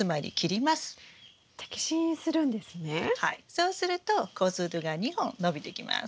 そうすると子づるが２本伸びてきます。